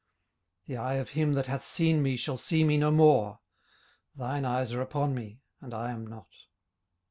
18:007:008 The eye of him that hath seen me shall see me no more: thine eyes are upon me, and I am not.